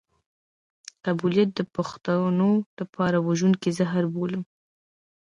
قبيلويت د پښتنو لپاره وژونکی زهر بولم.